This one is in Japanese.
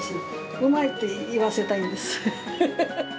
うまいって言わせたいんです。